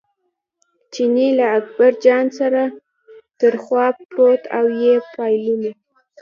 چیني له اکبرجان سره تر خوا پروت او یې پاللو.